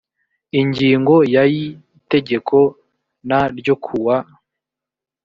ingingo ya y itegeko n ryo ku wa